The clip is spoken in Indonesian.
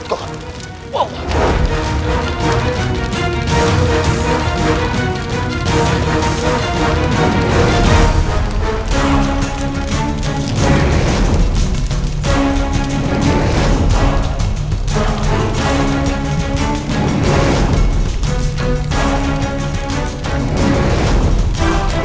kau akan menyerah